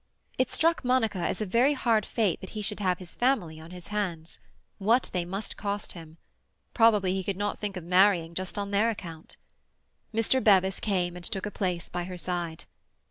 It struck Monica as a very hard fate that he should have this family on his hands. What they must cost him! Probably he could not think of marrying, just on their account. Mr. Bevis came and took a place by her side.